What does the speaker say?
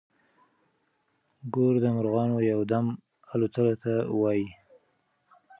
ګور د مرغانو يو دم الوتو ته وايي.